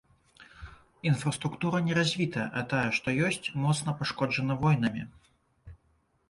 Інфраструктура неразвітая, а тая што ёсць, моцна пашкоджана войнамі.